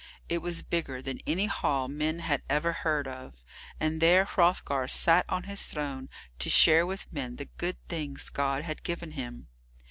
It was bigger than any hall men had ever heard of, and there Hrothgar sat on his throne to share with men the good things God had given him.